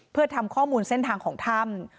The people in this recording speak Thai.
เพื่อทำข้อมูลเส้นทางของถ้ำ